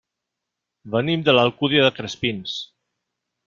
Venim de l'Alcúdia de Crespins.